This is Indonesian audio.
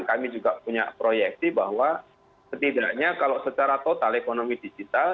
kami juga punya proyeksi bahwa setidaknya kalau secara total ekonomi digital